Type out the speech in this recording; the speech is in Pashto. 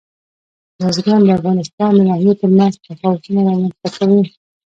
بزګان د افغانستان د ناحیو ترمنځ تفاوتونه رامنځته کوي.